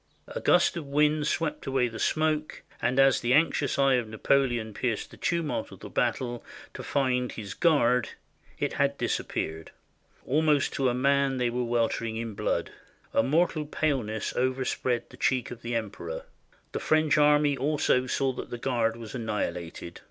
A gust of wind swept away the smoke, and as the anxious eye of Napoleon pierced the tumult of the battle to find his Guard, it had disappeared. Almost to a man they were weltering in blood. A mortal paleness overspread the cheek of the Emperor. The French army also saw that the Guard was annihilated.